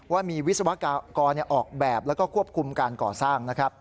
ว่ามีวิศวกรออกแบบแล้วก็ควบคุมการก่อสร้างนะครับ